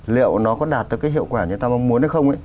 liệu nó có đạt được cái hiệu quả như ta mong muốn hay không ấy